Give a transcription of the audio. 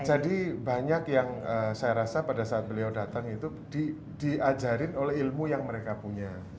jadi banyak yang saya rasa pada saat beliau datang itu diajarin oleh ilmu yang mereka punya